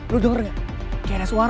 lo denger gak kayaknya ada suara